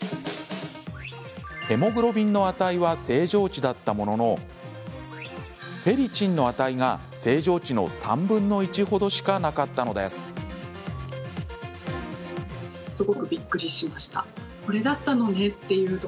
ヘモグロビンの値は正常値だったもののフェリチンの値が正常値の３分の１ほどしかなかったのです。